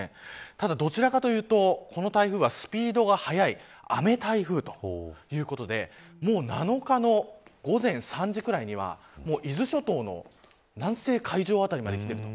ただ、どちらかというとこの台風はスピードが速い雨台風ということでもう７日の午前３時ぐらいには伊豆諸島の南西海上辺りまで来ている。